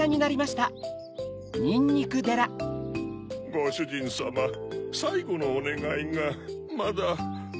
ごしゅじんさまさいごのおねがいがまだ。